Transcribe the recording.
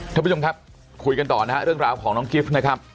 ท่านผู้ชมครับคุยกันต่อนะฮะเรื่องราวของน้องกิฟต์นะครับ